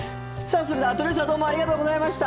鳥海さんどうもありがとうございました。